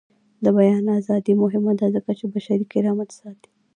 د بیان ازادي مهمه ده ځکه چې بشري کرامت ساتي.